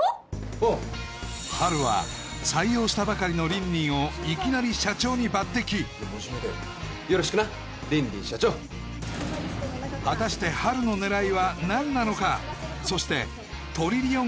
うんハルは採用したばかりのリンリンをいきなり社長に抜擢よろしくなリンリン社長果たしてハルの狙いは何なのか？